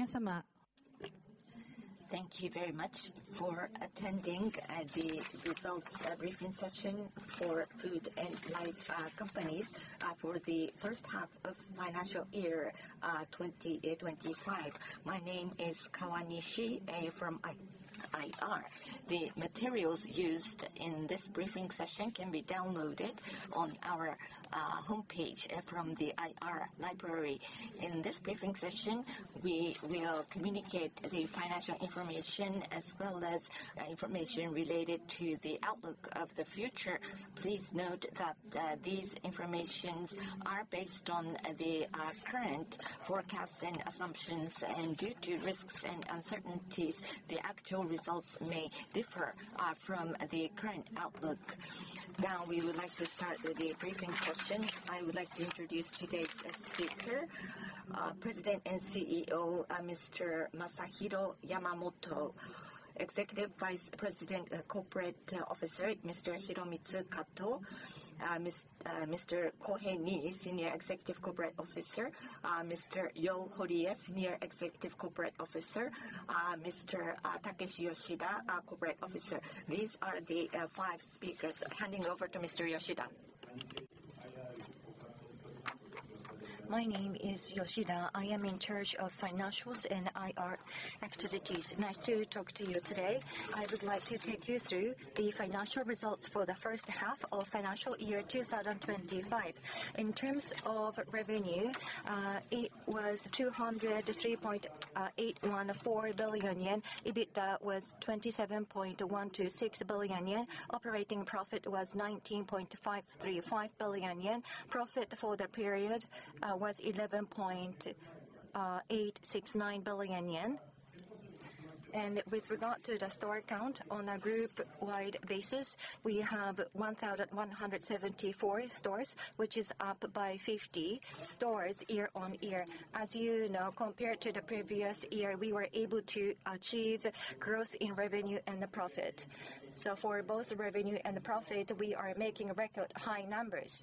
Yes, I'm at. Thank you very much for attending the results briefing session for Food & Life Companies for the first half of financial year 2025. My name is Kawani Shi from IR. The materials used in this briefing session can be downloaded on our homepage from the IR library. In this briefing session, we will communicate the financial information as well as information related to the outlook of the future. Please note that these information are based on the current forecasts and assumptions, and due to risks and uncertainties, the actual results may differ from the current outlook. Now, we would like to start with the briefing questions. I would like to introduce today's speaker, President and CEO Mr. Masahiro Yamamoto, Executive Vice President and Corporate Officer Mr. Hiromitsu Kato, Mr. Kohei Nii, Senior Executive Corporate Officer, Mr. You Horie, Senior Executive Corporate Officer, Mr. Takeshi Yoshida, Corporate Officer. These are the five speakers. Handing over to Mr. Yoshida. My name is Takeshi Yoshida. I am in charge of financials and IR activities. Nice to talk to you today. I would like to take you through the financial results for the first half of financial year 2025. In terms of revenue, it was 203.814 billion yen. EBITDA was 27.126 billion yen. Operating profit was 19.535 billion yen. Profit for the period was 11.869 billion yen. With regard to the store count on a group-wide basis, we have 1,174 stores, which is up by 50 stores year on year. As you know, compared to the previous year, we were able to achieve growth in revenue and profit. For both revenue and profit, we are making record high numbers.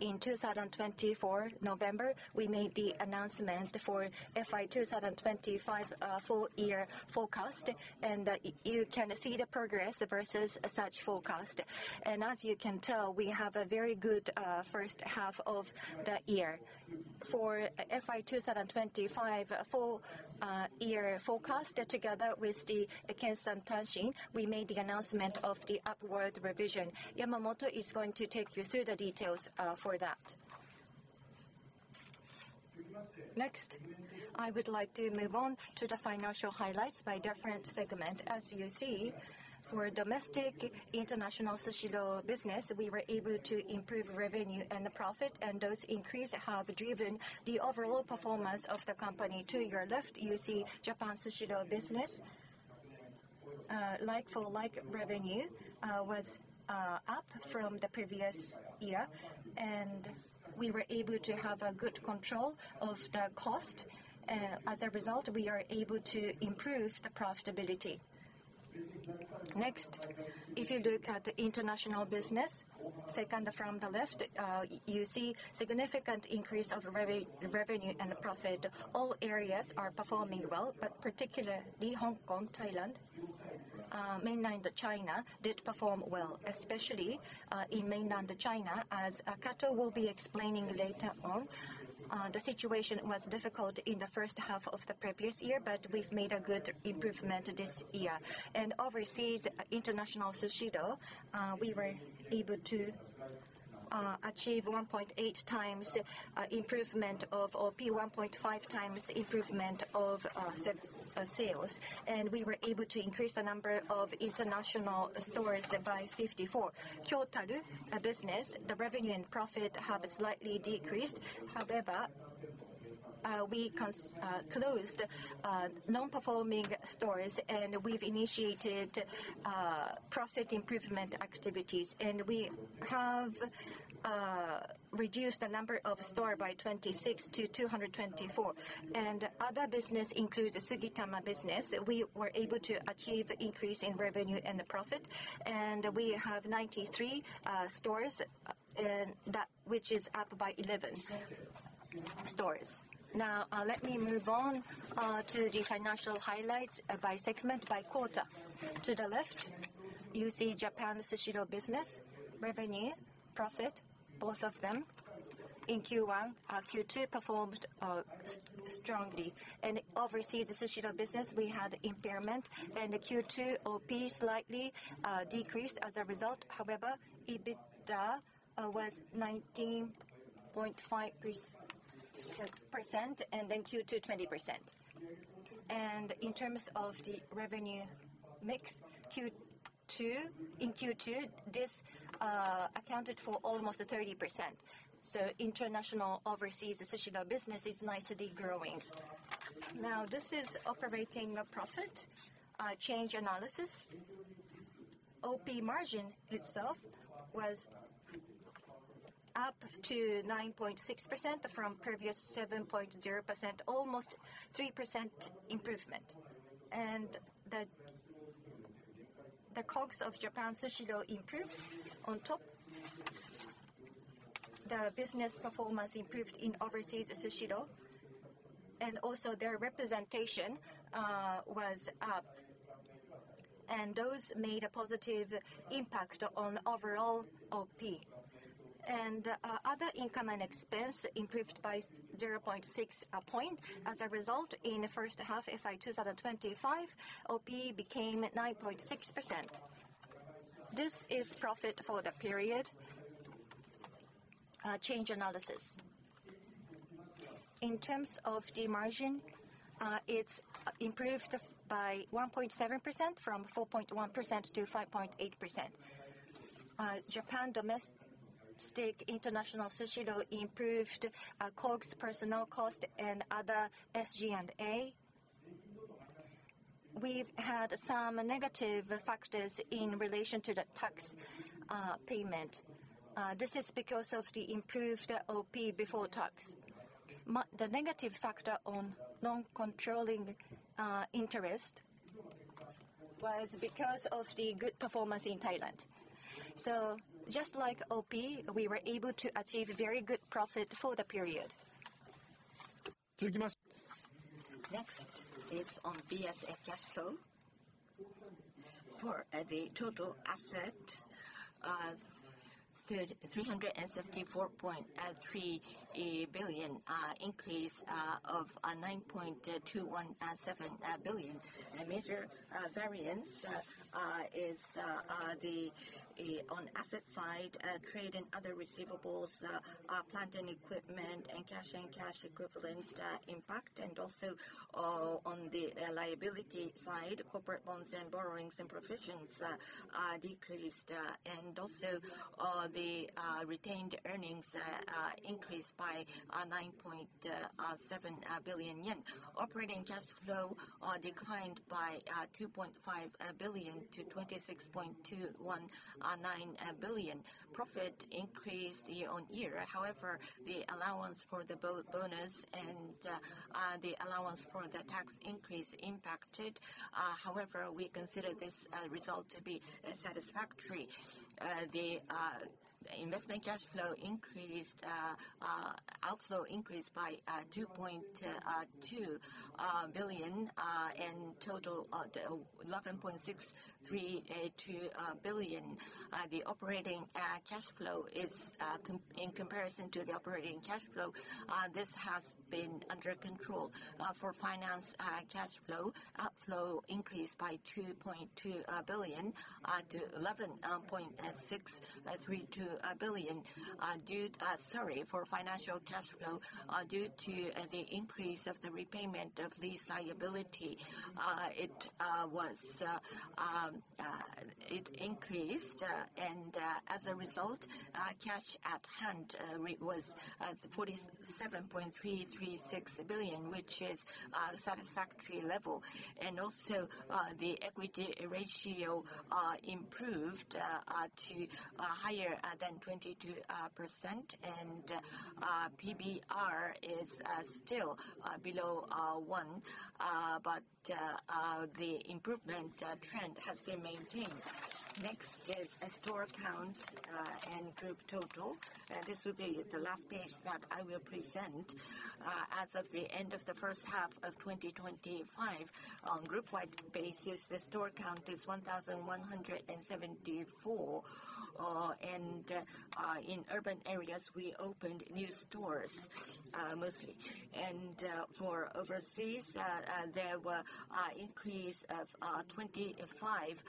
In November 2024, we made the announcement for FY 2025 full-year forecast, and you can see the progress versus such forecast. As you can tell, we have a very good first half of the year. For FY 2025 full-year forecast, together with the Kensan Tanshin, we made the announcement of the upward revision. Yamamoto is going to take you through the details for that. Next, I would like to move on to the financial highlights by different segments. As you see, for domestic and international Sushiro business, we were able to improve revenue and profit, and those increases have driven the overall performance of the company. To your left, you see Japan Sushiro business. Like-for-like revenue was up from the previous year, and we were able to have good control of the cost. As a result, we are able to improve the profitability. Next, if you look at international business, second from the left, you see significant increase of revenue and profit. All areas are performing well, but particularly Hong Kong, Thailand, mainland China did perform well, especially in mainland China, as Kato will be explaining later on. The situation was difficult in the first half of the previous year, but we've made a good improvement this year. Overseas, international Sushiro, we were able to achieve 1.8 times improvement of or 1.5 times improvement of sales, and we were able to increase the number of international stores by 54. Total business, the revenue and profit have slightly decreased. However, we closed non-performing stores, and we've initiated profit improvement activities, and we have reduced the number of stores by 26 to 224. Other business includes Sugidama business. We were able to achieve an increase in revenue and profit, and we have 93 stores, which is up by 11 stores. Now, let me move on to the financial highlights by segment by quarter. To the left, you see Japan Sushiro business revenue, profit, both of them. In Q1, Q2 performed strongly. Overseas Sushiro business, we had impairment, and Q2 OP slightly decreased as a result. However, EBITDA was 19.5%, and then Q2 20%. In terms of the revenue mix, in Q2, this accounted for almost 30%. International overseas Sushiro business is nicely growing. Now, this is operating profit change analysis. OP margin itself was up to 9.6% from previous 7.0%, almost 3% improvement. The COGS of Japan Sushiro improved on top. The business performance improved in overseas Sushiro, and also their representation was up, and those made a positive impact on overall OP. Other income and expense improved by 0.6 point. As a result, in the first half, fiscal year 2025, OP became 9.6%. This is profit for the period change analysis. In terms of the margin, it's improved by 1.7% from 4.1% to 5.8%. Japan domestic international Sushiro improved COGS, personnel cost, and other SG&A. We've had some negative factors in relation to the tax payment. This is because of the improved OP before tax. The negative factor on non-controlling interest was because of the good performance in Thailand. Just like OP, we were able to achieve very good profit for the period. Next is on BSF Cash Flow. For the total asset, 374.3 billion, increase of 9.217 billion. A major variance is on asset side, trade and other receivables, plant and equipment, and cash and cash equivalent impact, and also on the liability side, corporate loans and borrowings and provisions decreased, and also the retained earnings increased by 9.7 billion yen. Operating cash flow declined by 2.5 billion to 26.219 billion. Profit increased year on year. However, the allowance for the bonus and the allowance for the tax increase impacted. However, we consider this result to be satisfactory. The investment cash flow increased, outflow increased by 2.2 billion and total 11.632 billion. The operating cash flow is, in comparison to the operating cash flow, this has been under control. For finance cash flow, outflow increased by 2.2 billion to 11.632 billion. Sorry, for financial cash flow, due to the increase of the repayment of lease liability, it increased, and as a result, cash at hand was 47.336 billion, which is a satisfactory level. Also, the equity ratio improved to higher than 22%, and PBR is still below 1, but the improvement trend has been maintained. Next is store count and group total. This will be the last page that I will present. As of the end of the first half of 2025, on a group-wide basis, the store count is 1,174, and in urban areas, we opened new stores mostly. For overseas, there were an increase of 25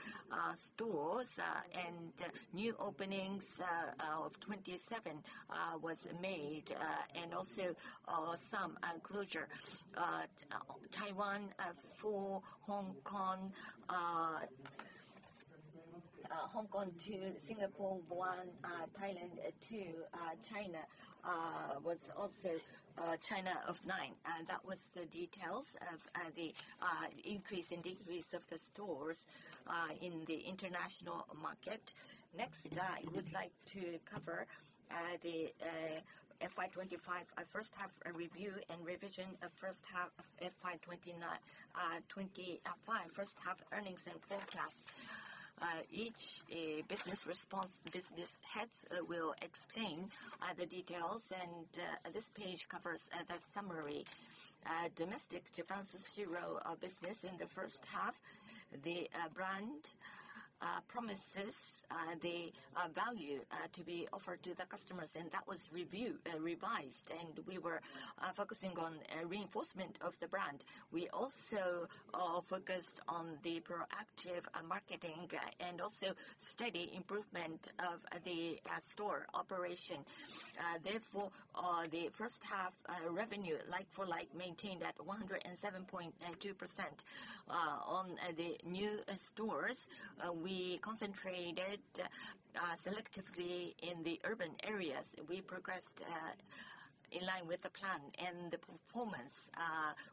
stores, and new openings of 27 were made, and also some closure. Taiwan, 4; Hong Kong, 2; Singapore, 1; Thailand, 2; China was also China of 9. That was the details of the increase and decrease of the stores in the international market. Next, I would like to cover the FI 25 first half review and revision of first half FI 25 first half earnings and forecast. Each business heads will explain the details, and this page covers the summary. Domestic Japan Sushiro business in the first half, the brand promises the value to be offered to the customers, and that was revised, and we were focusing on reinforcement of the brand. We also focused on the proactive marketing and also steady improvement of the store operation. Therefore, the first half revenue, like-for-like, maintained at 107.2%. On the new stores, we concentrated selectively in the urban areas. We progressed in line with the plan, and the performance,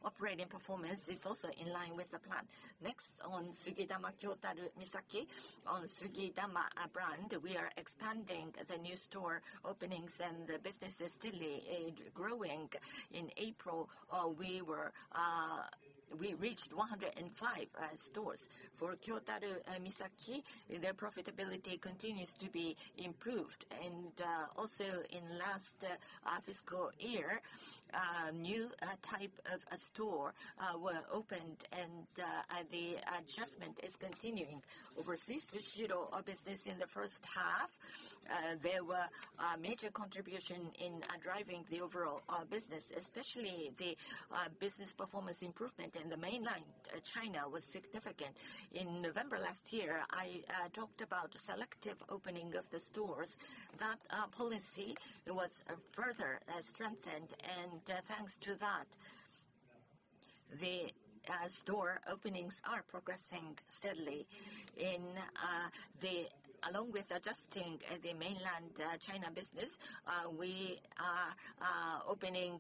operating performance, is also in line with the plan. Next, on Sugidama, Kyotaru, Misaki, on Sugidama brand, we are expanding the new store openings, and the business is steadily growing. In April, we reached 105 stores. For Kyotaru, Misaki, their profitability continues to be improved, and also in last fiscal year, new type of store were opened, and the adjustment is continuing. Overseas Sushiro business in the first half, there were major contributions in driving the overall business, especially the business performance improvement in the mainland China was significant. In November last year, I talked about selective opening of the stores. That policy was further strengthened, and thanks to that, the store openings are progressing steadily. Along with adjusting the mainland China business, we are opening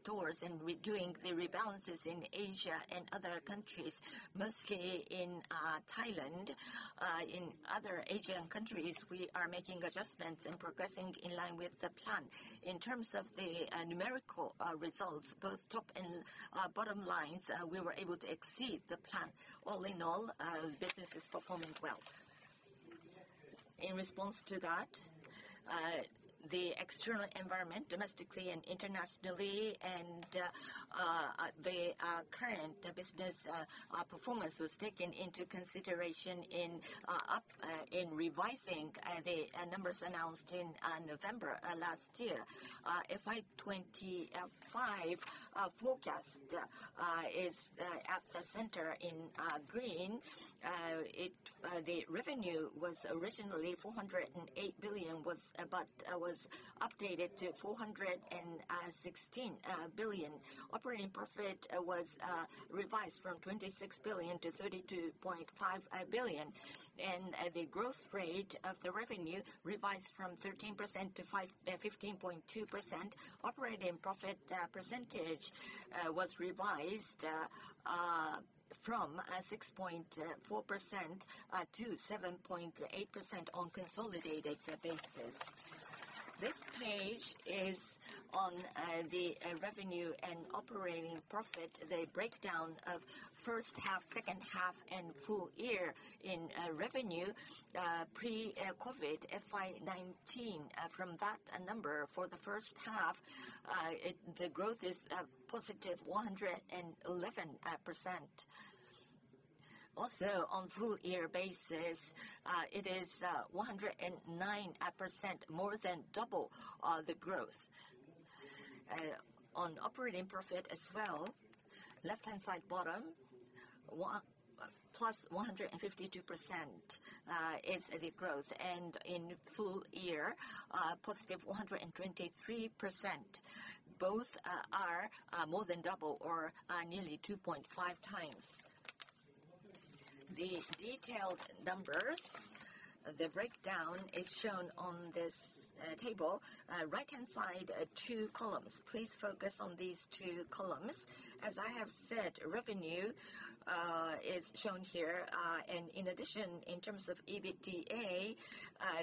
stores and redoing the rebalances in Asia and other countries, mostly in Thailand. In other Asian countries, we are making adjustments and progressing in line with the plan. In terms of the numerical results, both top and bottom lines, we were able to exceed the plan. All in all, business is performing well. In response to that, the external environment, domestically and internationally, and the current business performance was taken into consideration in revising the numbers announced in November last year. FI 2025 forecast is at the center in green. The revenue was originally 408 billion, but was updated to 416 billion. Operating profit was revised from 26 billion to 32.5 billion, and the growth rate of the revenue revised from 13% to 15.2%. Operating profit percentage was revised from 6.4% to 7.8% on a consolidated basis. This page is on the revenue and operating profit, the breakdown of first half, second half, and full year in revenue. Pre-COVID, FI 2019, from that number for the first half, the growth is positive 111%. Also, on a full year basis, it is 109%, more than double the growth. On operating profit as well, left-hand side bottom, plus 152% is the growth, and in full year, positive 123%. Both are more than double or nearly 2.5 times. The detailed numbers, the breakdown is shown on this table. Right-hand side, two columns. Please focus on these two columns. As I have said, revenue is shown here, and in addition, in terms of EBITDA,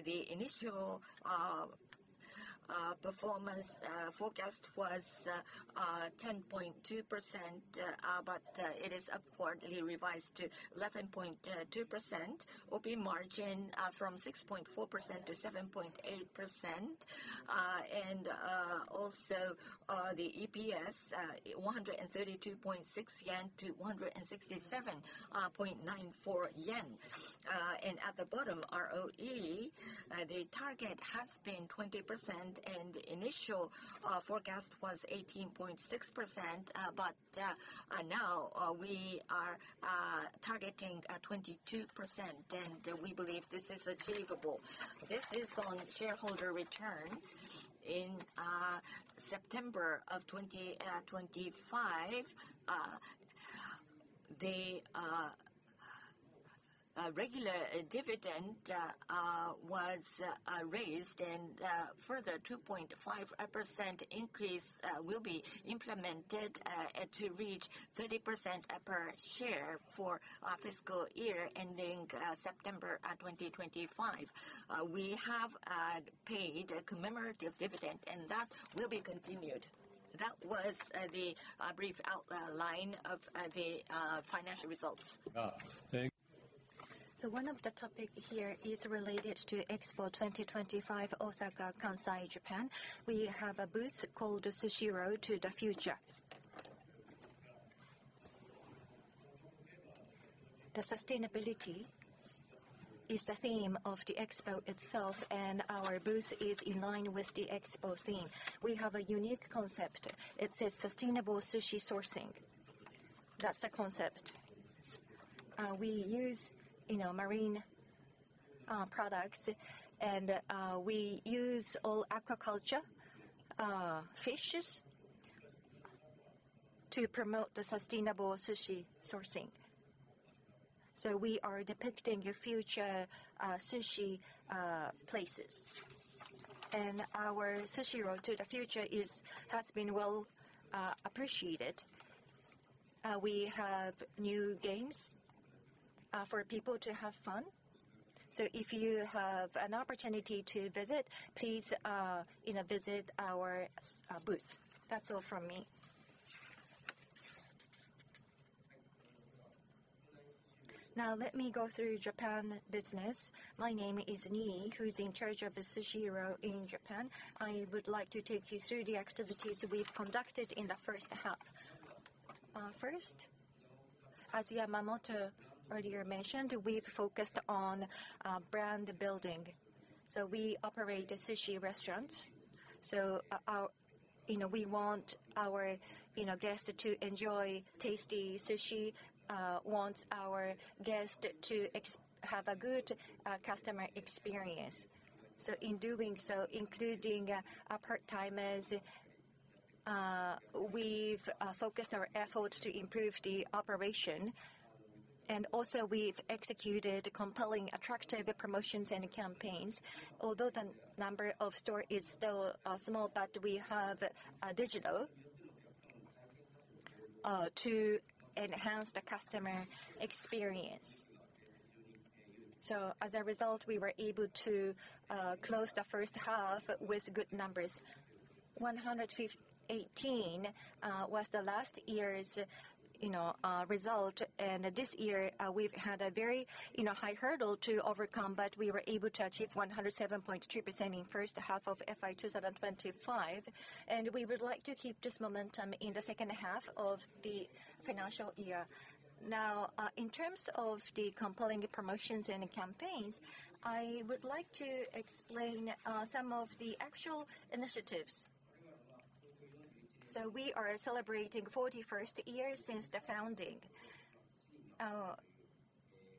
the initial performance forecast was 10.2%, but it is upwardly revised to 11.2%. OP margin from 6.4% to 7.8%, and also the EPS, 132.6 yen to 167.94 yen. At the bottom, ROE, the target has been 20%, and the initial forecast was 18.6%, but now we are targeting 22%, and we believe this is achievable. This is on shareholder return in September of 2025. The regular dividend was raised, and further 2.5% increase will be implemented to reach 30 per share for fiscal year ending September 2025. We have paid a commemorative dividend, and that will be continued. That was the brief outline of the financial results. One of the topics here is related to Expo 2025 Osaka Kansai, Japan. We have a booth called "Sushiro to the Future." The sustainability is the theme of the expo itself, and our booth is in line with the expo theme. We have a unique concept. It says "Sustainable Sushi Sourcing." That's the concept. We use marine products, and we use all aquaculture fishes to promote the sustainable sushi sourcing. We are depicting future sushi places, and our "Sushiro to the Future" has been well appreciated. We have new games for people to have fun. If you have an opportunity to visit, please visit our booth. That's all from me. Now, let me go through Japan business. My name is Nii, who's in charge of the Sushiro in Japan. I would like to take you through the activities we've conducted in the first half. First, as Yamamoto earlier mentioned, we've focused on brand building. We operate sushi restaurants. We want our guests to enjoy tasty sushi, want our guests to have a good customer experience. In doing so, including part-timers, we've focused our efforts to improve the operation, and also we've executed compelling, attractive promotions and campaigns. Although the number of stores is still small, we have digital to enhance the customer experience. As a result, we were able to close the first half with good numbers. 118 was the last year's result, and this year we've had a very high hurdle to overcome, but we were able to achieve 107.2% in the first half of fiscal year 2025, and we would like to keep this momentum in the second half of the financial year. Now, in terms of the compelling promotions and campaigns, I would like to explain some of the actual initiatives. We are celebrating the 41st year since the founding,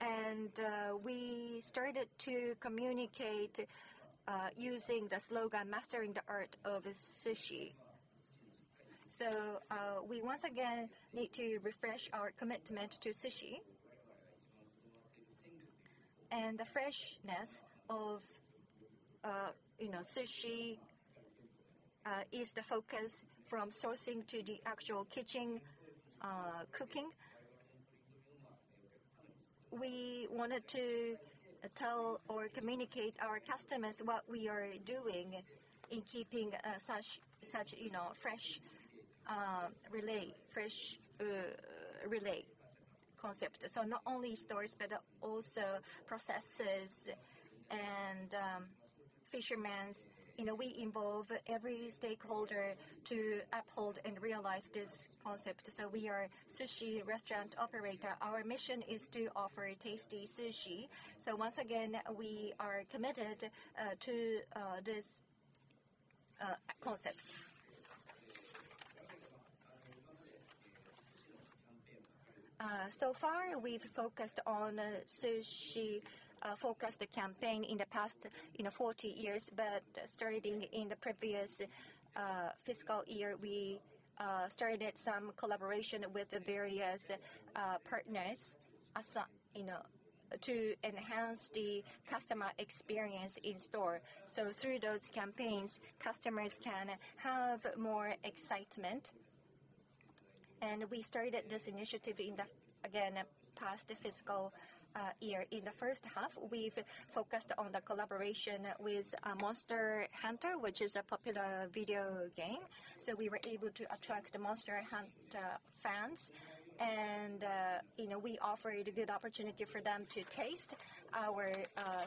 and we started to communicate using the slogan "Mastering the Art of Sushi." We once again need to refresh our commitment to sushi, and the freshness of sushi is the focus from sourcing to the actual kitchen cooking. We wanted to tell or communicate to our customers what we are doing in keeping such fresh relay concept. Not only stores, but also processes and fishermen. We involve every stakeholder to uphold and realize this concept. We are a sushi restaurant operator. Our mission is to offer tasty sushi. Once again, we are committed to this concept. So far, we've focused on sushi-focused campaigns in the past 40 years, but starting in the previous fiscal year, we started some collaboration with various partners to enhance the customer experience in store. Through those campaigns, customers can have more excitement, and we started this initiative again past the fiscal year. In the first half, we've focused on the collaboration with Monster Hunter, which is a popular video game. We were able to attract the Monster Hunter fans, and we offered a good opportunity for them to taste our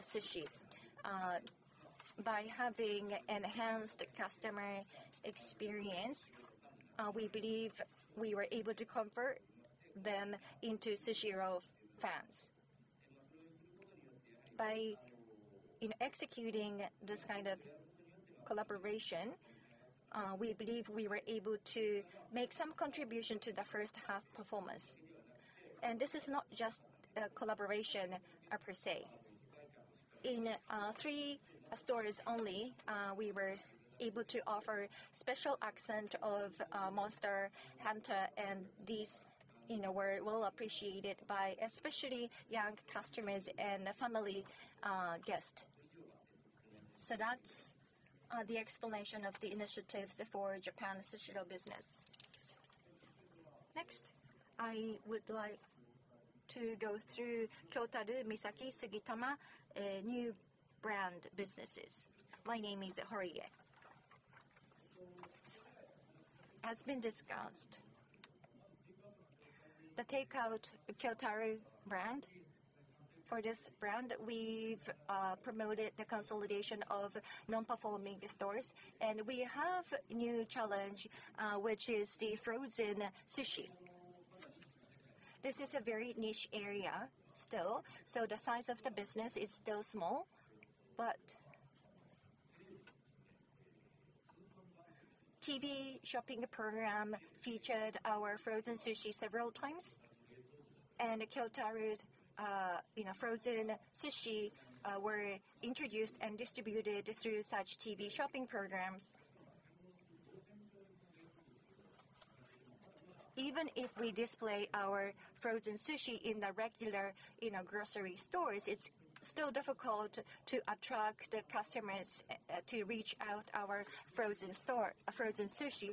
sushi. By having an enhanced customer experience, we believe we were able to convert them into Sushiro fans. By executing this kind of collaboration, we believe we were able to make some contribution to the first half performance. This is not just a collaboration per se. In three stores only, we were able to offer a special accent of Monster Hunter, and this was well appreciated by especially young customers and family guests. That is the explanation of the initiatives for Japan Sushiro business. Next, I would like to go through Kyotaru, Misaki, Sugidama, new brand businesses. My name is Horie. As has been discussed, the takeout Kyotaru brand. For this brand, we have promoted the consolidation of non-performing stores, and we have a new challenge, which is the frozen sushi. This is a very niche area still, so the size of the business is still small, but TV shopping program featured our frozen sushi several times, and Kyotaru's frozen sushi were introduced and distributed through such TV shopping programs. Even if we display our frozen sushi in the regular grocery stores, it is still difficult to attract customers to reach out to our frozen sushi.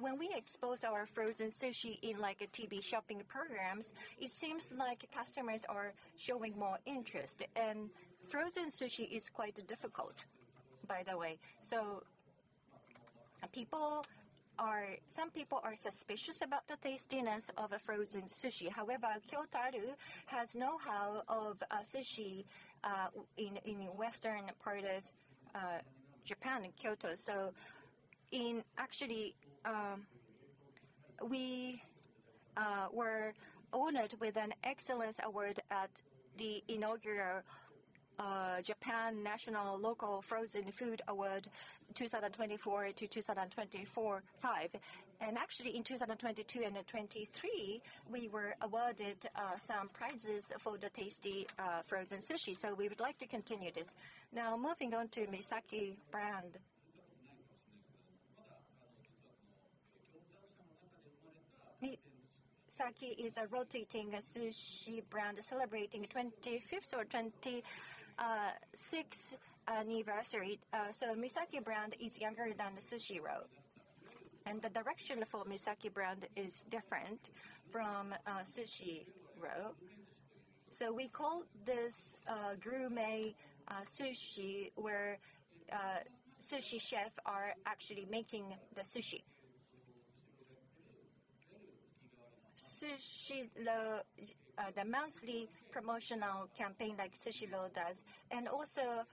When we expose our frozen sushi in TV shopping programs, it seems like customers are showing more interest, and frozen sushi is quite difficult, by the way. Some people are suspicious about the tastiness of frozen sushi. However, Kyotaru has know-how of sushi in the western part of Japan, Kyoto. We were honored with an excellence award at the inaugural Japan National Local Frozen Food Award 2024-2025. In 2022 and 2023, we were awarded some prizes for the tasty frozen sushi, so we would like to continue this. Now, moving on to Misaki brand. Misaki is a rotating sushi brand celebrating 25th or 26th anniversary. Misaki brand is younger than Sushiro, and the direction for Misaki brand is different from Sushiro. We call this gourmet sushi where sushi chefs are actually making the sushi. Sushiro, the monthly promotional campaign like Sushiro does, and also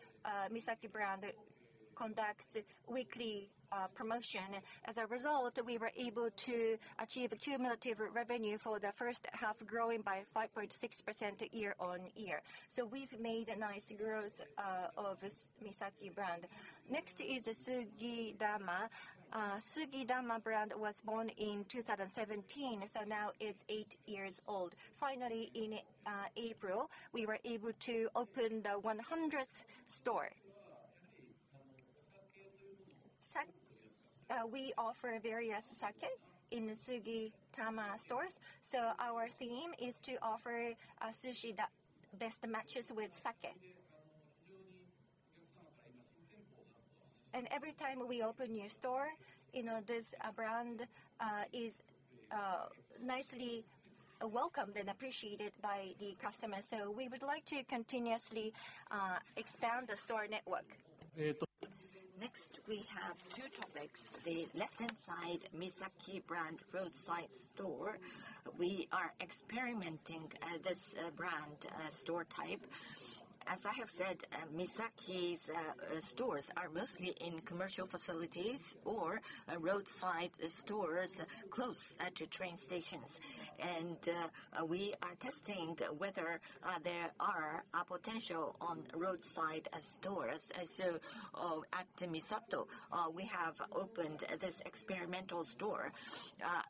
Misaki brand conducts weekly promotion. As a result, we were able to achieve cumulative revenue for the first half, growing by 5.6% year on year. We have made a nice growth of Misaki brand. Next is Sugidama. Sugidama brand was born in 2017, so now it is eight years old. Finally, in April, we were able to open the 100th store. We offer various sake in Sugidama stores, so our theme is to offer sushi that best matches with sake. Every time we open a new store, this brand is nicely welcomed and appreciated by the customers. We would like to continuously expand the store network. Next, we have two topics. The left-hand side Misaki brand roadside store. We are experimenting this brand store type. As I have said, Misaki's stores are mostly in commercial facilities or roadside stores close to train stations, and we are testing whether there are potential roadside stores. At Misato, we have opened this experimental store.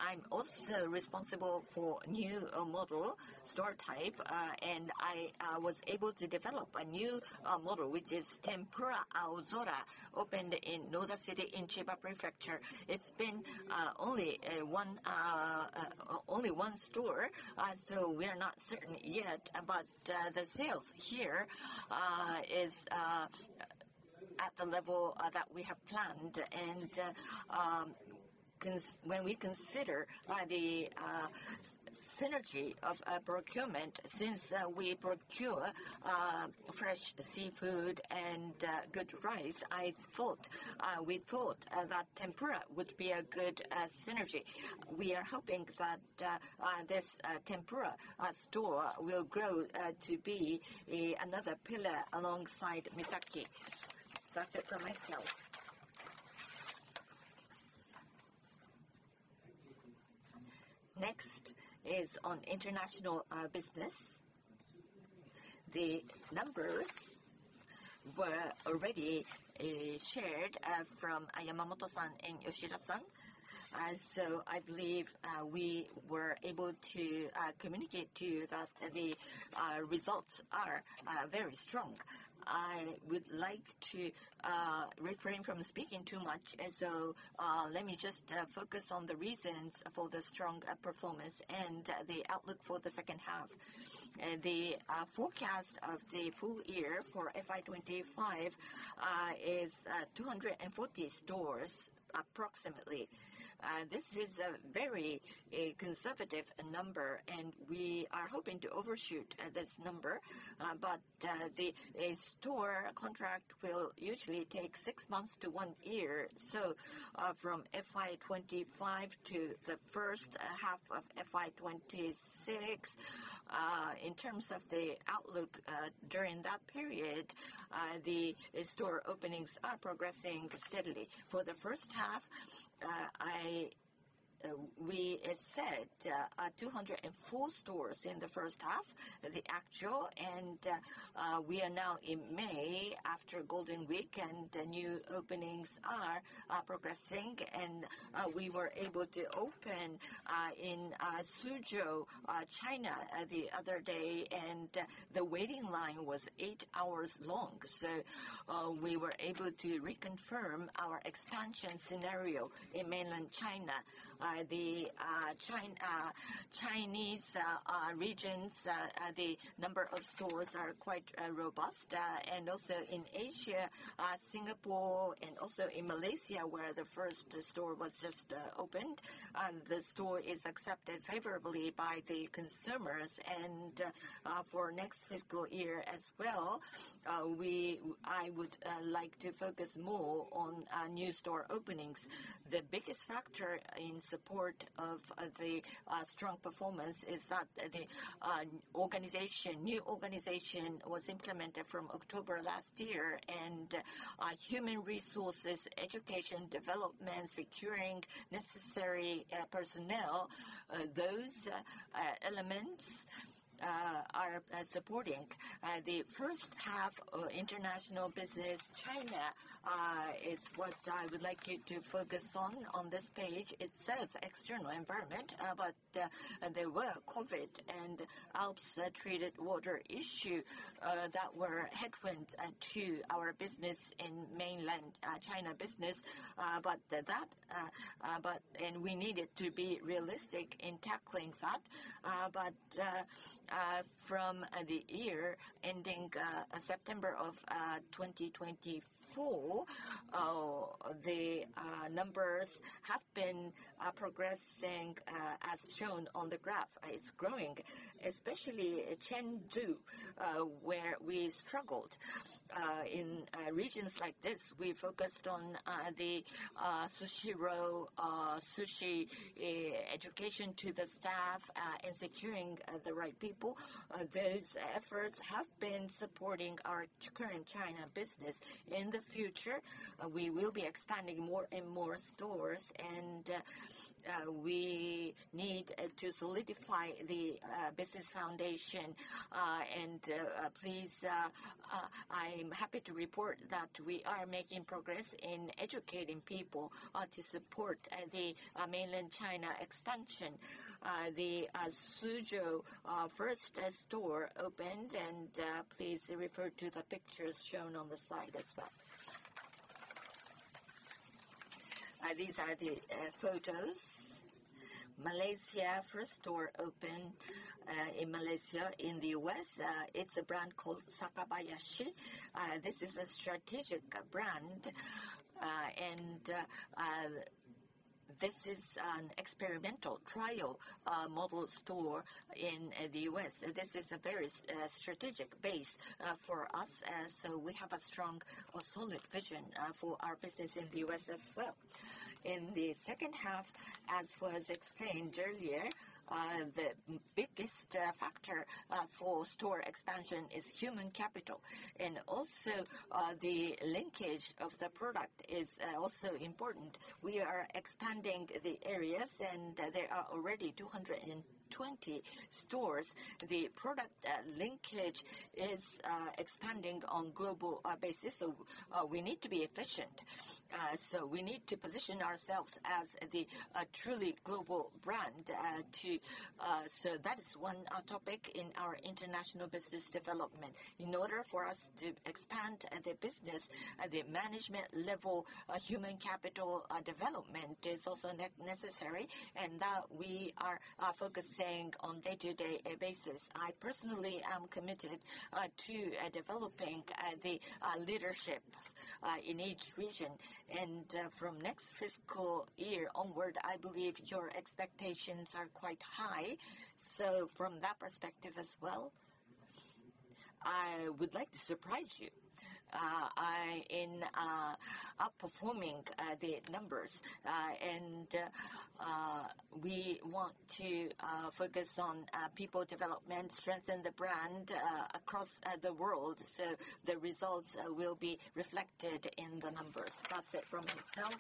I'm also responsible for a new model store type, and I was able to develop a new model, which is Tempura Aozora, opened in Noda City in Chiba Prefecture. It has been only one store, so we are not certain yet, but the sales here are at the level that we have planned. When we consider the synergy of procurement, since we procure fresh seafood and good rice, we thought that tempura would be a good synergy. We are hoping that this tempura store will grow to be another pillar alongside Misaki. That is it from my side. Next is on international business. The numbers were already shared from Yamamoto-san and Yoshida-san, so I believe we were able to communicate to you that the results are very strong. I would like to refrain from speaking too much, so let me just focus on the reasons for the strong performance and the outlook for the second half. The forecast of the full year for FI 2025 is 240 stores approximately. This is a very conservative number, and we are hoping to overshoot this number, but the store contract will usually take six months to one year. From FI 2025 to the first half of FI 2026, in terms of the outlook during that period, the store openings are progressing steadily. For the first half, we set 204 stores in the first half, the actual, and we are now in May after Golden Week, and new openings are progressing. We were able to open in Suzhou, China, the other day, and the waiting line was eight hours long, so we were able to reconfirm our expansion scenario in mainland China. The Chinese regions, the number of stores are quite robust, and also in Asia, Singapore, and also in Malaysia, where the first store was just opened, the store is accepted favorably by the consumers. For next fiscal year as well, I would like to focus more on new store openings. The biggest factor in support of the strong performance is that the new organization was implemented from October last year, and human resources, education, development, securing necessary personnel, those elements are supporting. The first half of international business, China, is what I would like you to focus on. On this page, it says external environment, but there were COVID and Alps treated water issues that were headwinds to our business in mainland China business, and we needed to be realistic in tackling that. From the year ending September of 2024, the numbers have been progressing as shown on the graph. It is growing, especially Chengdu, where we struggled. In regions like this, we focused on the Sushiro sushi education to the staff and securing the right people. Those efforts have been supporting our current China business. In the future, we will be expanding more and more stores, and we need to solidify the business foundation. I am happy to report that we are making progress in educating people to support the mainland China expansion. The Suzhou first store opened, and please refer to the pictures shown on the slide as well. These are the photos. Malaysia first store opened in Malaysia. In the US, it's a brand called Sakabayashi. This is a strategic brand, and this is an experimental trial model store in the US. This is a very strategic base for us, so we have a strong or solid vision for our business in the US as well. In the second half, as was explained earlier, the biggest factor for store expansion is human capital, and also the linkage of the product is also important. We are expanding the areas, and there are already 220 stores. The product linkage is expanding on a global basis, so we need to be efficient. We need to position ourselves as the truly global brand. That is one topic in our international business development. In order for us to expand the business, the management level human capital development is also necessary, and that we are focusing on a day-to-day basis. I personally am committed to developing the leadership in each region. From next fiscal year onward, I believe your expectations are quite high. From that perspective as well, I would like to surprise you in outperforming the numbers. We want to focus on people development, strengthen the brand across the world, so the results will be reflected in the numbers. That is it from myself.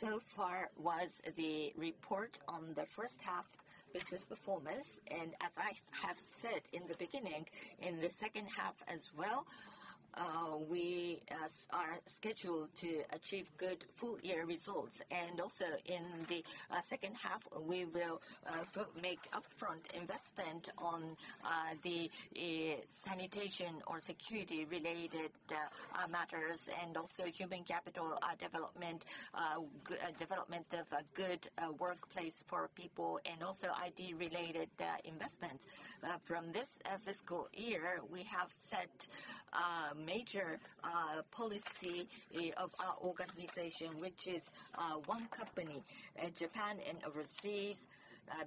So far was the report on the first half business performance. As I have said in the beginning, in the second half as well, we are scheduled to achieve good full-year results. Also in the second half, we will make upfront investment on the sanitation or security-related matters and also human capital development, development of a good workplace for people, and also ID-related investments. From this fiscal year, we have set major policy of our organization, which is one company in Japan and overseas,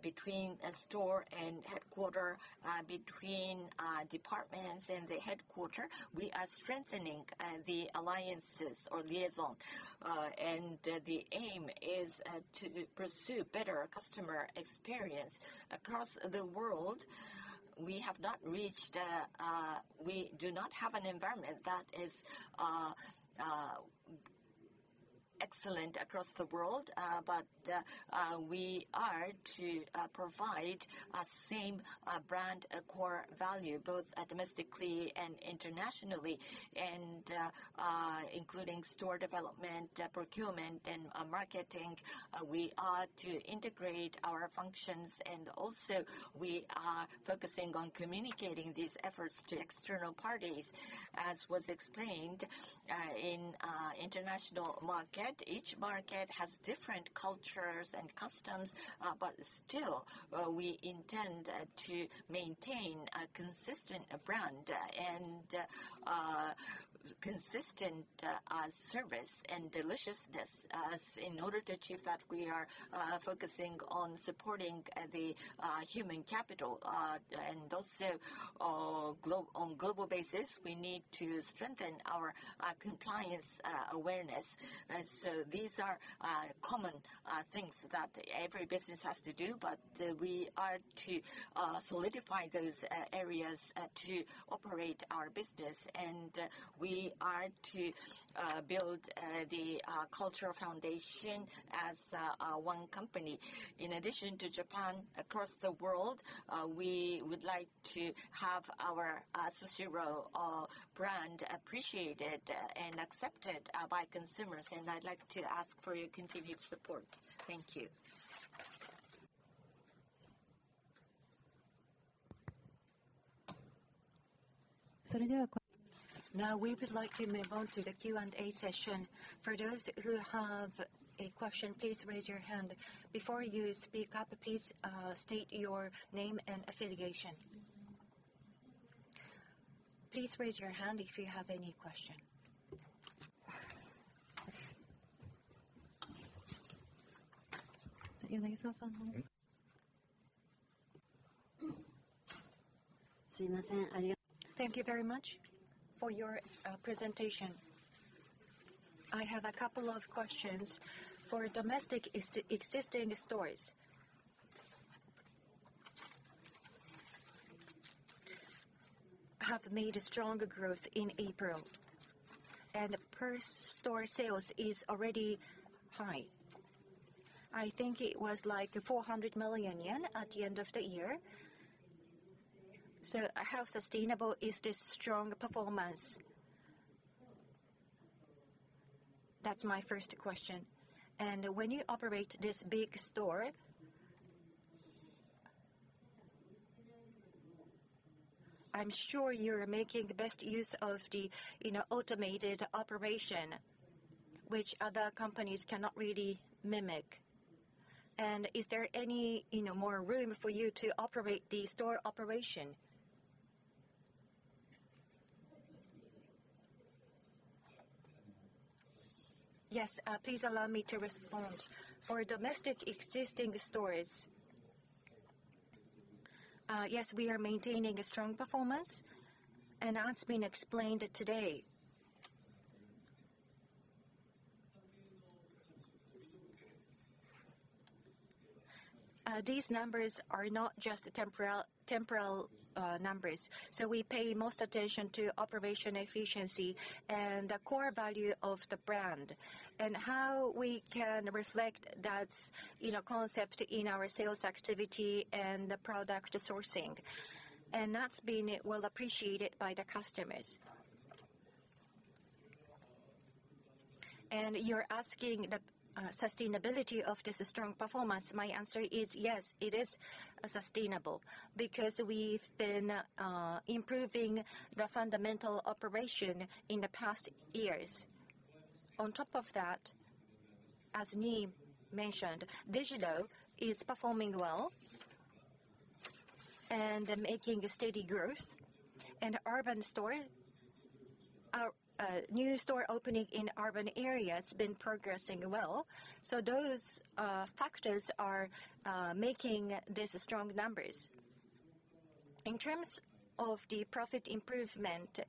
between a store and headquarter, between departments and the headquarter. We are strengthening the alliances or liaison, and the aim is to pursue better customer experience across the world. We have not reached a we do not have an environment that is excellent across the world, but we are to provide the same brand core value both domestically and internationally, including store development, procurement, and marketing. We are to integrate our functions, and also we are focusing on communicating these efforts to external parties. As was explained in the international market, each market has different cultures and customs, but still, we intend to maintain a consistent brand and consistent service and deliciousness. In order to achieve that, we are focusing on supporting the human capital, and also on a global basis, we need to strengthen our compliance awareness. These are common things that every business has to do, but we are to solidify those areas to operate our business, and we are to build the cultural foundation as one company. In addition to Japan, across the world, we would like to have our Sushiro brand appreciated and accepted by consumers, and I'd like to ask for your continued support. Thank you. Now we would like to move on to the Q&A session. For those who have a question, please raise your hand. Before you speak up, please state your name and affiliation. Please raise your hand if you have any question. すいません。Thank you very much for your presentation. I have a couple of questions. For domestic existing stores, have made strong growth in April, and per store sales is already high. I think it was like 400 million yen at the end of the year. How sustainable is this strong performance? That's my first question. When you operate this big store, I'm sure you're making the best use of the automated operation, which other companies cannot really mimic. Is there any more room for you to operate the store operation? Yes, please allow me to respond. For domestic existing stores, yes, we are maintaining a strong performance, and that's been explained today. These numbers are not just temporal numbers. We pay most attention to operation efficiency and the core value of the brand and how we can reflect that concept in our sales activity and the product sourcing. That has been well appreciated by the customers. You are asking the sustainability of this strong performance. My answer is yes, it is sustainable because we have been improving the fundamental operation in the past years. On top of that, as Nii mentioned, Digital is performing well and making steady growth, and new store opening in urban areas has been progressing well. Those factors are making these strong numbers. In terms of the profit improvement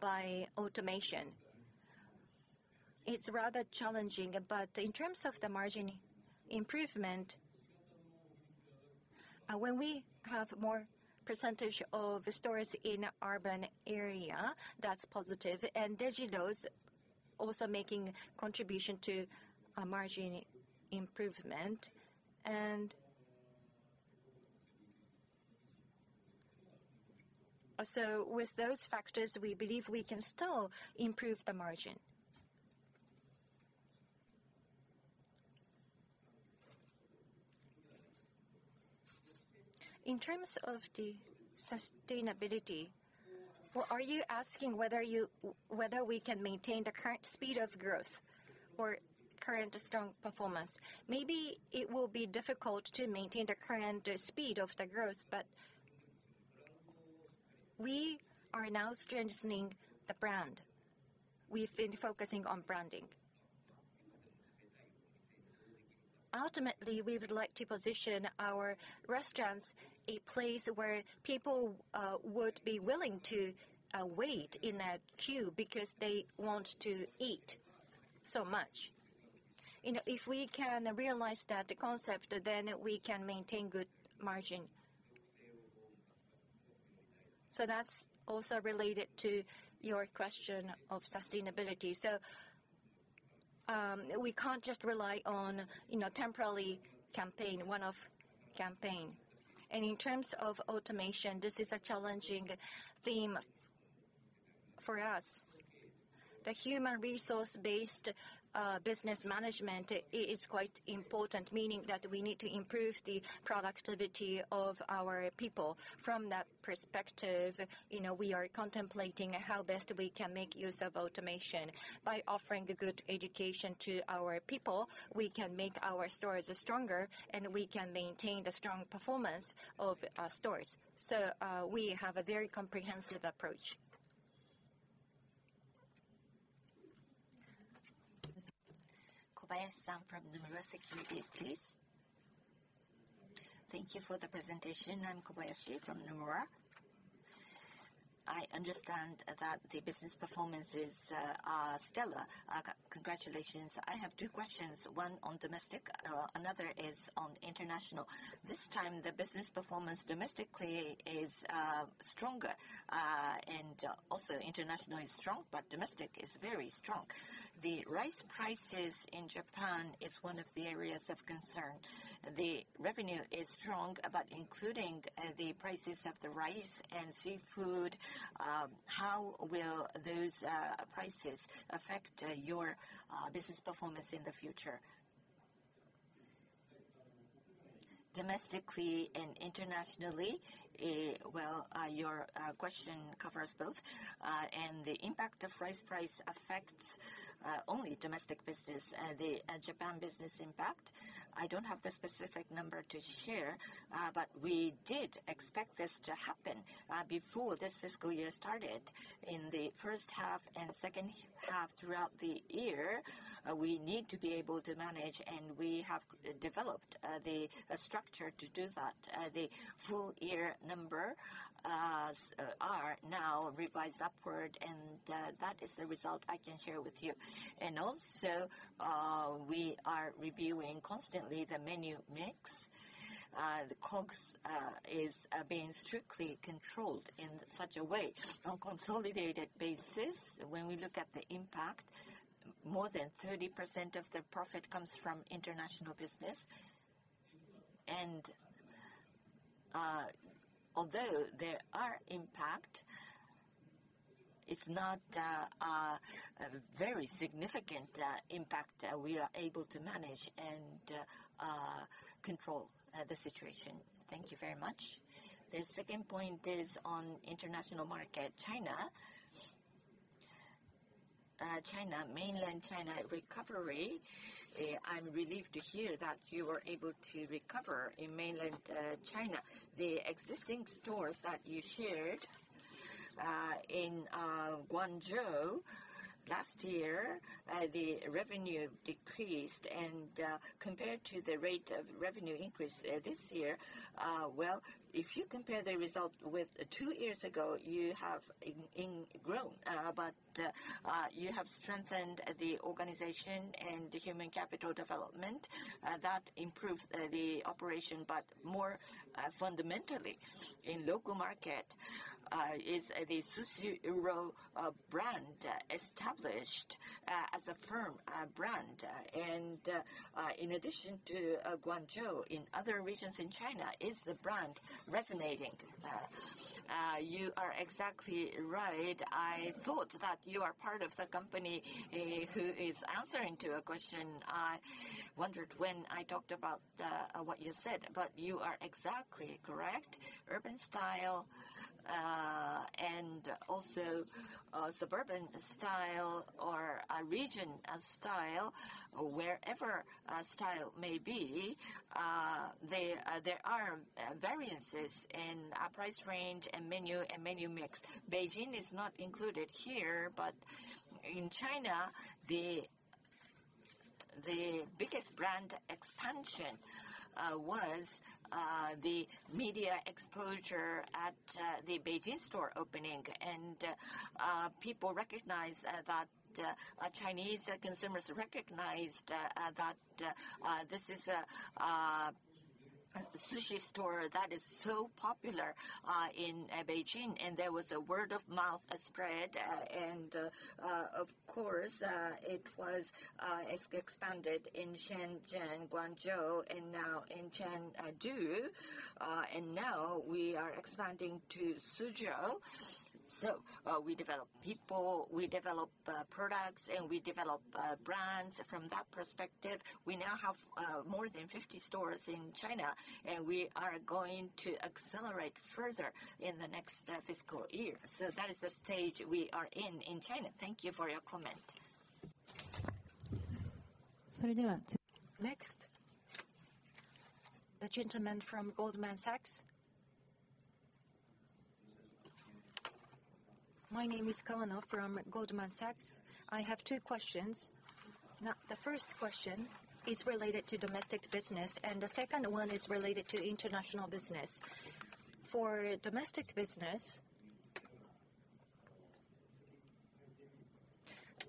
by automation, it is rather challenging, but in terms of the margin improvement, when we have more percentage of stores in urban areas, that is positive, and Digital is also making contribution to margin improvement. With those factors, we believe we can still improve the margin. In terms of the sustainability, are you asking whether we can maintain the current speed of growth or current strong performance? Maybe it will be difficult to maintain the current speed of the growth, but we are now strengthening the brand. We've been focusing on branding. Ultimately, we would like to position our restaurants in a place where people would be willing to wait in a queue because they want to eat so much. If we can realize that concept, then we can maintain good margin. That is also related to your question of sustainability. We can't just rely on a temporary campaign, one-off campaign. In terms of automation, this is a challenging theme for us. The human resource-based business management is quite important, meaning that we need to improve the productivity of our people. From that perspective, we are contemplating how best we can make use of automation. By offering good education to our people, we can make our stores stronger, and we can maintain the strong performance of our stores. We have a very comprehensive approach. Kobayashi from Nomura Securities, please. Thank you for the presentation. I'm Kobayashi from Nomura. I understand that the business performances are stellar. Congratulations. I have two questions. One on domestic, another is on international. This time, the business performance domestically is stronger, and also international is strong, but domestic is very strong. The rice prices in Japan are one of the areas of concern. The revenue is strong, but including the prices of the rice and seafood, how will those prices affect your business performance in the future? Domestically and internationally, your question covers both. The impact of rice price affects only domestic business, the Japan business impact. I do not have the specific number to share, but we did expect this to happen before this fiscal year started. In the first half and second half throughout the year, we need to be able to manage, and we have developed the structure to do that. The full-year number is now revised upward, and that is the result I can share with you. We are also reviewing constantly the menu mix. The COGS is being strictly controlled in such a way on a consolidated basis. When we look at the impact, more than 30% of the profit comes from international business. Although there is impact, it is not a very significant impact. We are able to manage and control the situation. Thank you very much. The second point is on international market, China. Mainland China recovery. I'm relieved to hear that you were able to recover in mainland China. The existing stores that you shared in Guangzhou last year, the revenue decreased. Compared to the rate of revenue increase this year, if you compare the result with two years ago, you have grown, but you have strengthened the organization and the human capital development. That improves the operation, but more fundamentally in the local market is the Sushiro brand established as a firm brand. In addition to Guangzhou, in other regions in China, is the brand resonating? You are exactly right. I thought that you are part of the company who is answering to a question. I wondered when I talked about what you said, but you are exactly correct. Urban style and also suburban style or region style, wherever style may be, there are variances in price range and menu mix. Beijing is not included here, but in China, the biggest brand expansion was the media exposure at the Beijing store opening. People recognize that Chinese consumers recognized that this is a sushi store that is so popular in Beijing, and there was a word-of-mouth spread. It was expanded in Shenzhen, Guangzhou, and now in Chengdu. Now we are expanding to Suzhou. We develop people, we develop products, and we develop brands. From that perspective, we now have more than 50 stores in China, and we are going to accelerate further in the next fiscal year. That is the stage we are in in China. Thank you for your comment. それでは。Next, the gentleman from Goldman Sachs. My name is Kavanagh from Goldman Sachs. I have two questions. The first question is related to domestic business, and the second one is related to international business. For domestic business,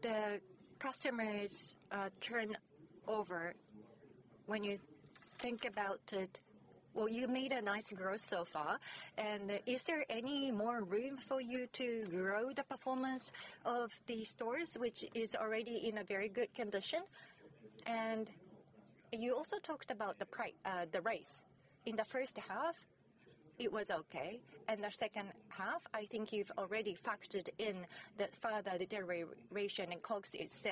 the customers turn over when you think about it. You made a nice growth so far. Is there any more room for you to grow the performance of the stores, which is already in a very good condition? You also talked about the price, the rice. In the first half, it was okay. In the second half, I think you've already factored in that further deterioration and COGS is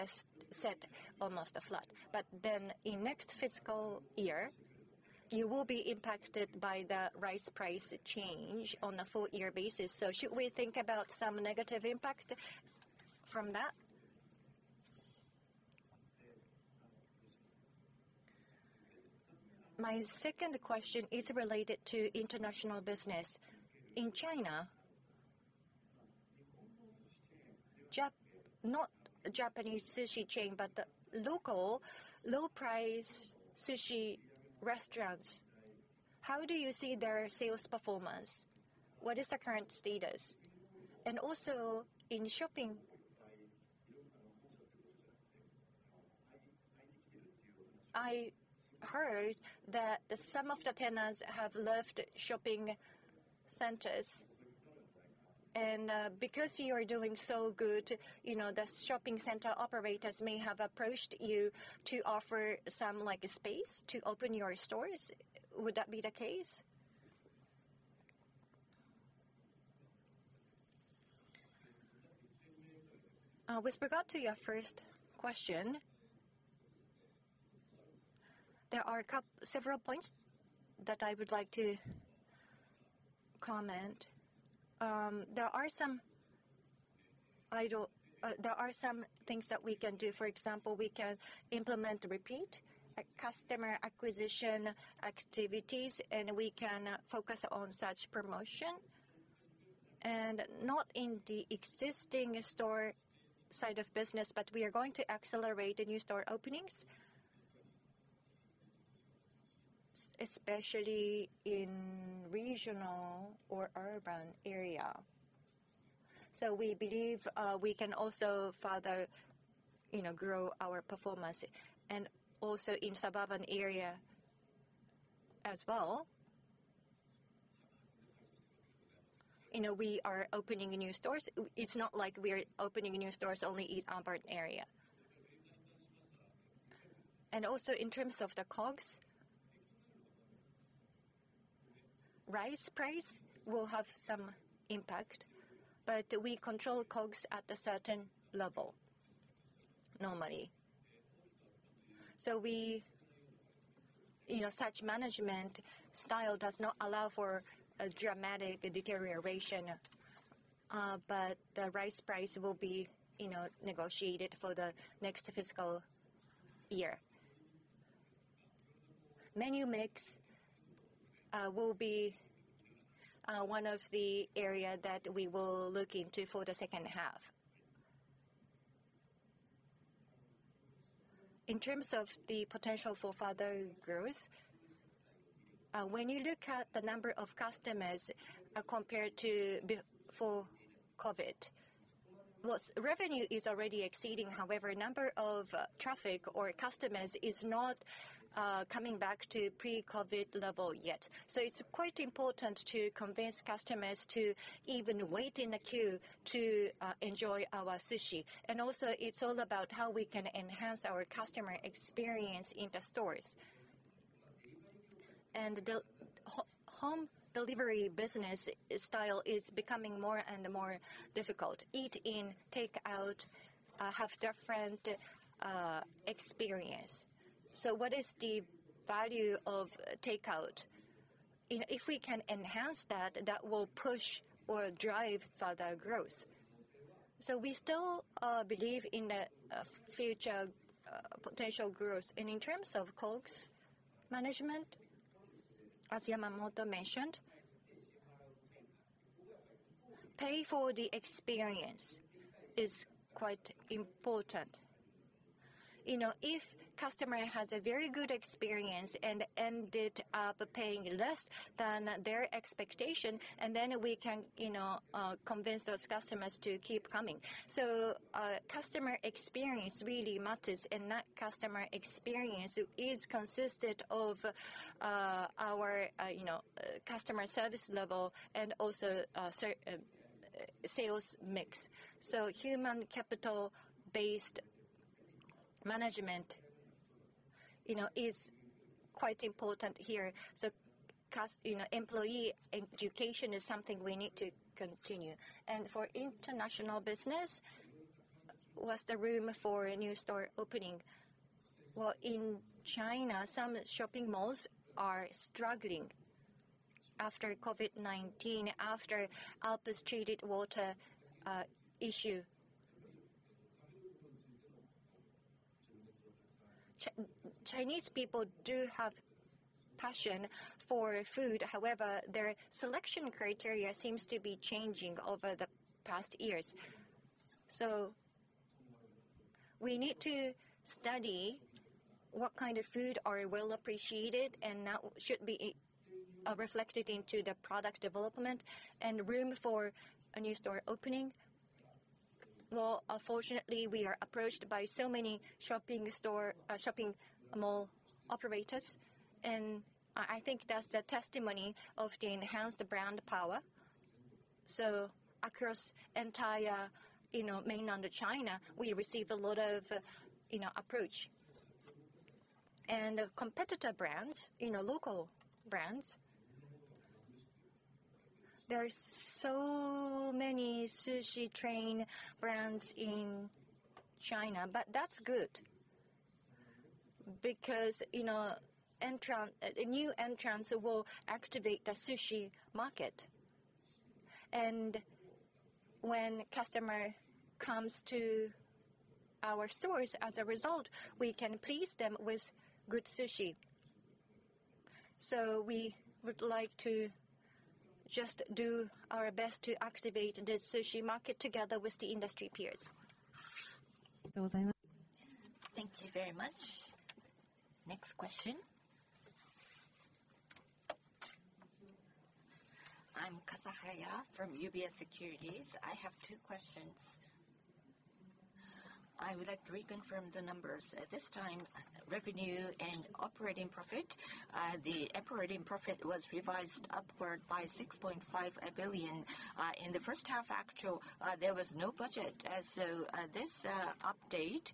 set almost afloat. In next fiscal year, you will be impacted by the rice price change on a full-year basis. Should we think about some negative impact from that? My second question is related to international business. In China, not Japanese sushi chain, but local low-price sushi restaurants, how do you see their sales performance? What is the current status? Also in shopping, I heard that some of the tenants have left shopping centers. Because you are doing so good, the shopping center operators may have approached you to offer some space to open your stores. Would that be the case? With regard to your first question, there are several points that I would like to comment. There are some things that we can do. For example, we can implement repeat customer acquisition activities, and we can focus on such promotion. Not in the existing store side of business, but we are going to accelerate the new store openings, especially in regional or urban area. We believe we can also further grow our performance. Also in suburban areas as well, we are opening new stores. It's not like we're opening new stores only in urban areas. In terms of the COGS, rice price will have some impact, but we control COGS at a certain level normally. Such management style does not allow for a dramatic deterioration, but the rice price will be negotiated for the next fiscal year. Menu mix will be one of the areas that we will look into for the second half. In terms of the potential for further growth, when you look at the number of customers compared to before COVID, revenue is already exceeding. However, the number of traffic or customers is not coming back to pre-COVID level yet. It's quite important to convince customers to even wait in a queue to enjoy our sushi. It is all about how we can enhance our customer experience in the stores. The home delivery business style is becoming more and more difficult. Eat in, take out, have different experience. What is the value of takeout? If we can enhance that, that will push or drive further growth. We still believe in the future potential growth. In terms of COGS management, as Yamamoto mentioned, pay for the experience is quite important. If a customer has a very good experience and ended up paying less than their expectation, then we can convince those customers to keep coming. Customer experience really matters, and that customer experience is consistent of our customer service level and also sales mix. Human capital-based management is quite important here. Employee education is something we need to continue. For international business, was there room for a new store opening? In China, some shopping malls are struggling after COVID-19, after Alper's treated water issue. Chinese people do have passion for food. However, their selection criteria seems to be changing over the past years. We need to study what kind of food is well appreciated and should be reflected into the product development and room for a new store opening. Unfortunately, we are approached by so many shopping mall operators, and I think that's the testimony of the enhanced brand power. Across the entire mainland of China, we receive a lot of approach. Competitor brands, local brands, there are so many sushi chain brands in China, but that's good because new entrants will activate the sushi market. When customers come to our stores, as a result, we can please them with good sushi. We would like to just do our best to activate the sushi market together with the industry peers. ありがとうございます。Thank you very much. Next question. I'm Kasahaya from UBS Securities. I have two questions. I would like to reconfirm the numbers. This time, revenue and operating profit. The operating profit was revised upward by 6.5 billion. In the first half, actually, there was no budget. This update,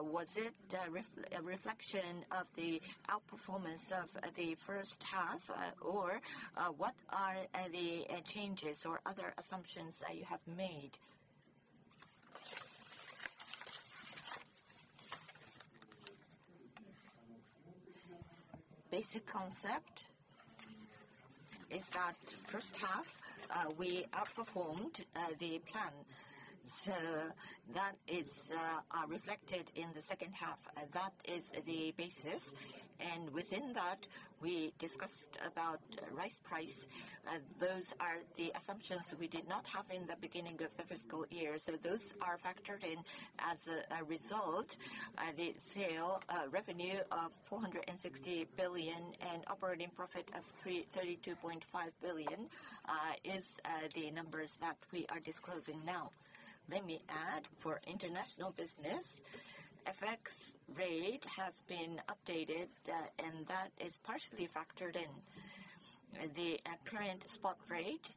was it a reflection of the outperformance of the first half, or what are the changes or other assumptions that you have made? Basic concept is that first half, we outperformed the plan. That is reflected in the second half. That is the basis. Within that, we discussed about rice price. Those are the assumptions we did not have in the beginning of the fiscal year. Those are factored in as a result. The sale revenue of 460 billion and operating profit of 32.5 billion is the numbers that we are disclosing now. Let me add, for international business, FX rate has been updated, and that is partially factored in. The current spot rate,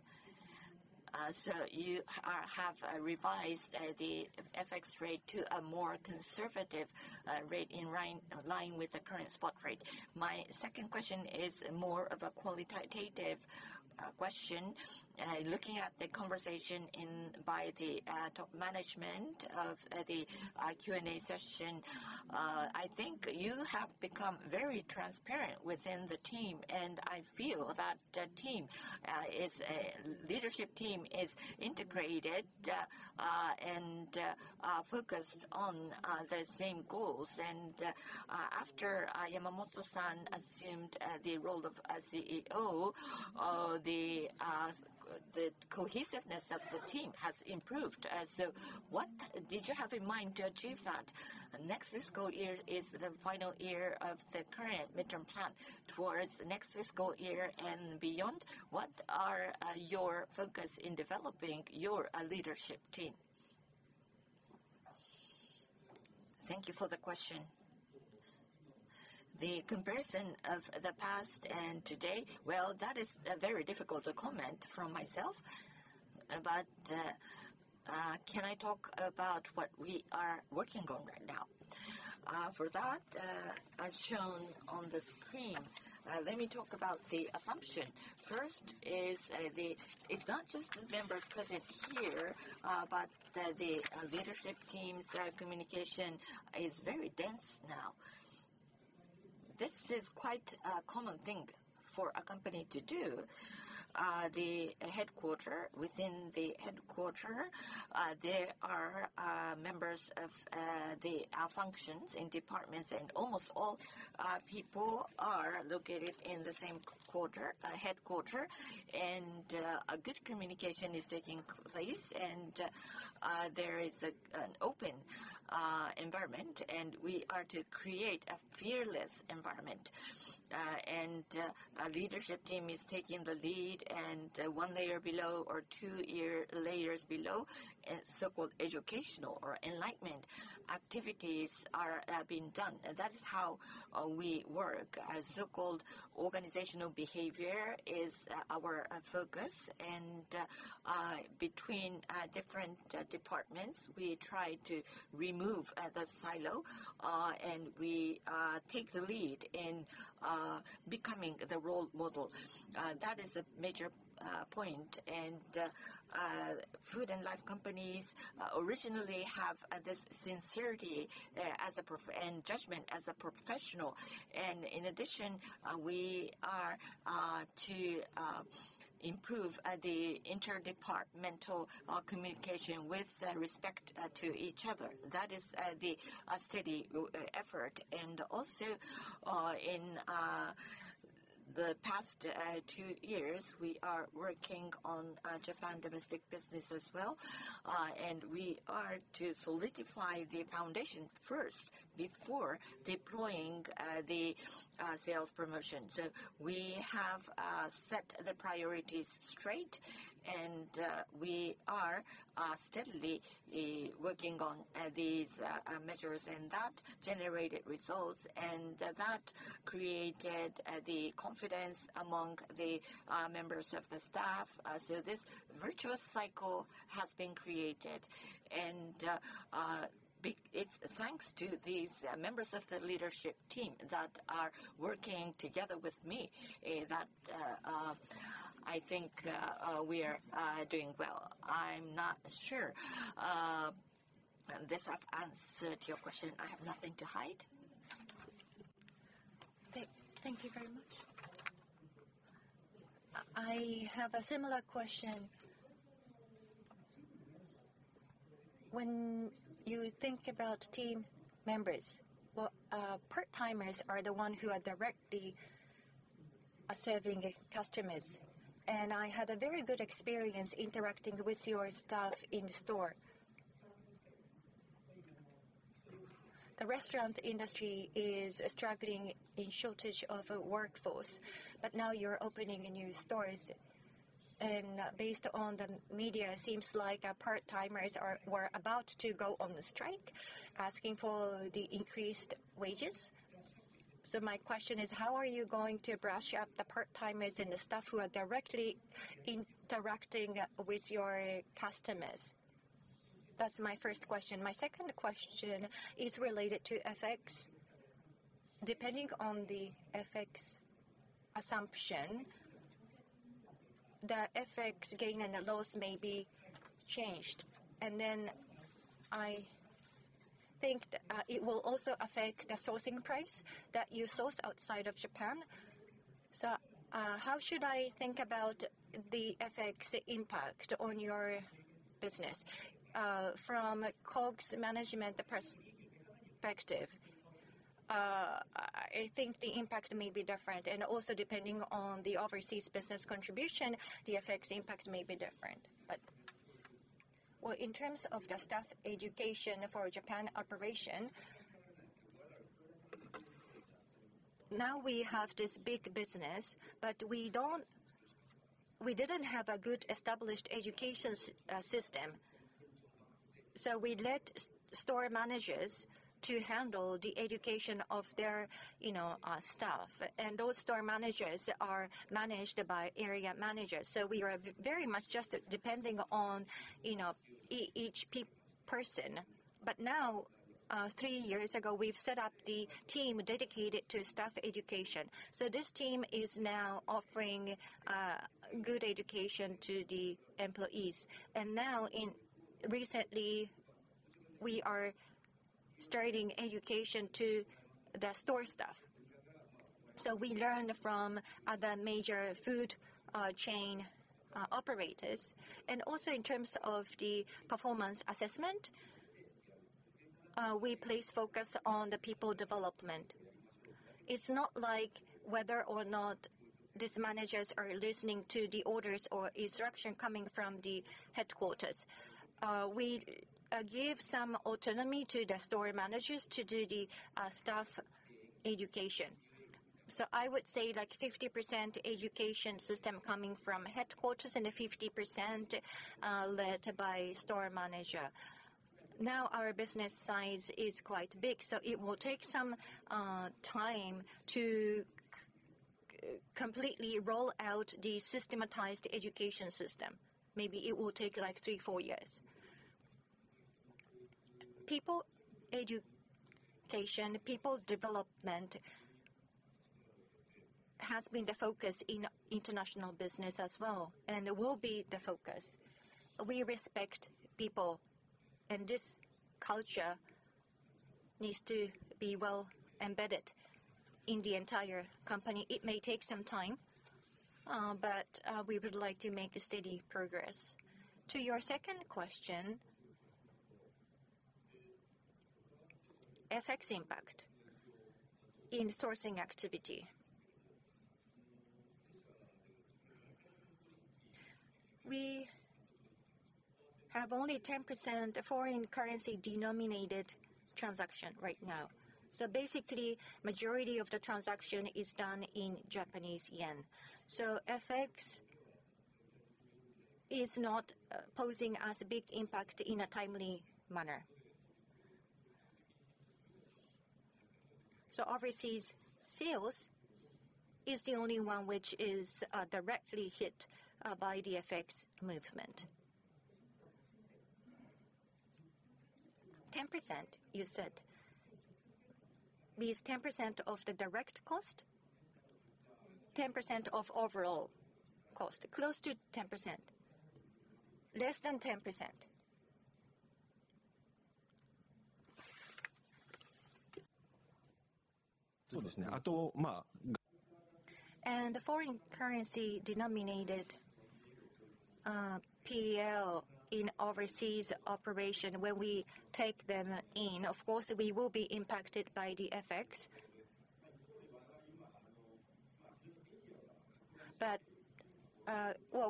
so you have revised the FX rate to a more conservative rate in line with the current spot rate. My second question is more of a qualitative question. Looking at the conversation by the top management of the Q&A session, I think you have become very transparent within the team, and I feel that the leadership team is integrated and focused on the same goals. After Yamamoto-san assumed the role of CEO, the cohesiveness of the team has improved. What did you have in mind to achieve that? Next fiscal year is the final year of the current midterm plan. Towards next fiscal year and beyond, what are your focuses in developing your leadership team? Thank you for the question. The comparison of the past and today, that is very difficult to comment from myself, but can I talk about what we are working on right now? For that, as shown on the screen, let me talk about the assumption. First is the. It's not just the members present here, but the leadership team's communication is very dense now. This is quite a common thing for a company to do. The headquarter, within the headquarter, there are members of the functions in departments, and almost all people are located in the same headquarter, and good communication is taking place, and there is an open environment, and we are to create a fearless environment. A leadership team is taking the lead one layer below or two layers below, so-called educational or enlightenment activities are being done. That is how we work. So-called organizational behavior is our focus, and between different departments, we try to remove the silo, and we take the lead in becoming the role model. That is a major point. Food & Life Companies originally have this sincerity and judgment as a professional. In addition, we are to improve the interdepartmental communication with respect to each other. That is the steady effort. Also, in the past two years, we are working on Japan domestic business as well, and we are to solidify the foundation first before deploying the sales promotion. We have set the priorities straight, and we are steadily working on these measures, and that generated results, and that created the confidence among the members of the staff. This virtuous cycle has been created. It is thanks to these members of the leadership team that are working together with me that I think we are doing well. I'm not sure this answered your question. I have nothing to hide. Thank you very much. I have a similar question. When you think about team members, part-timers are the ones who are directly serving customers. I had a very good experience interacting with your staff in the store. The restaurant industry is struggling in shortage of workforce, but now you are opening new stores. Based on the media, it seems like part-timers were about to go on strike asking for increased wages. My question is, how are you going to brush up the part-timers and the staff who are directly interacting with your customers? That is my first question. My second question is related to FX. Depending on the FX assumption, the FX gain and loss may be changed. I think it will also affect the sourcing price that you source outside of Japan. How should I think about the FX impact on your business? From a COGS management perspective, I think the impact may be different. Also, depending on the overseas business contribution, the FX impact may be different. In terms of the staff education for Japan operation, now we have this big business, but we did not have a good established education system. We let store managers handle the education of their staff. Those store managers are managed by area managers. We are very much just depending on each person. Three years ago, we set up the team dedicated to staff education. This team is now offering good education to the employees. Recently, we are starting education to the store staff. We learn from other major food chain operators. Also, in terms of the performance assessment, we place focus on the people development. It is not like whether or not these managers are listening to the orders or instructions coming from the headquarters. We give some autonomy to the store managers to do the staff education. I would say like 50% education system coming from headquarters and 50% led by store manager. Now, our business size is quite big, so it will take some time to completely roll out the systematized education system. Maybe it will take like three, four years. People education, people development has been the focus in international business as well and will be the focus. We respect people, and this culture needs to be well embedded in the entire company. It may take some time, but we would like to make steady progress. To your second question, FX impact in sourcing activity. We have only 10% foreign currency-denominated transaction right now. Basically, the majority of the transaction is done in Japanese yen. FX is not posing as a big impact in a timely manner. Overseas sales is the only one which is directly hit by the FX movement. 10%, you said. Is 10% of the direct cost? 10% of overall cost? Close to 10%? Less than 10%? The foreign currency-denominated PL in overseas operation, when we take them in, of course, we will be impacted by the FX.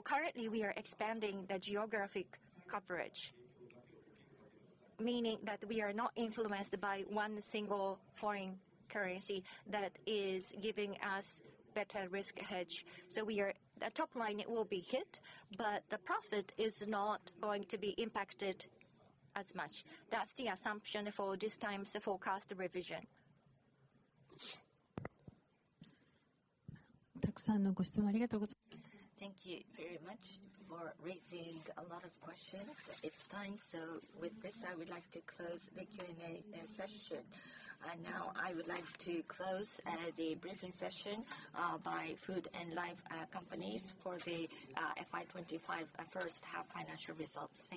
Currently, we are expanding the geographic coverage, meaning that we are not influenced by one single foreign currency. That is giving us better risk hedge. The top line will be hit, but the profit is not going to be impacted as much. That is the assumption for this time's forecast revision. Thank you very much for raising a lot of questions. It is time. With this, I would like to close the Q&A session. Now, I would like to close the briefing session by Food & Life Companies for the FI25 first half financial results.